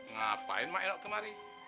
ngapain mak enok kemari